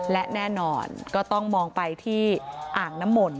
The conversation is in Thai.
และแน่นอนก็ต้องมองไปที่อ่างน้ำมนต